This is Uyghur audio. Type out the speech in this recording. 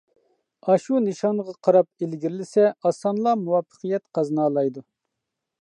ئاشۇ نىشانغا قاراپ ئىلگىرىلىسە، ئاسانلا مۇۋەپپەقىيەت قازىنالايدۇ.